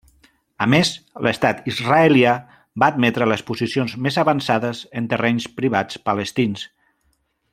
A més, l'Estat israelià va admetre les posicions més avançades en terrenys privats palestins.